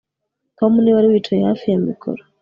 Tom niwe wari wicaye hafi ya mikoro